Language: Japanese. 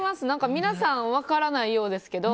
皆さん、分からないようですけど。